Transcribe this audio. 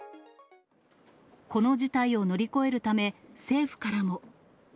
この事態を乗り越えるため、政府からも。